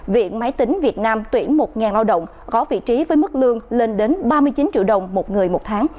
viện máy tính việt nam tuyển một lao động có vị trí với mức lương lên đến ba mươi chín triệu đồng một người một tháng